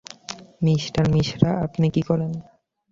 Mister Mishra, আপনি কী বলেন?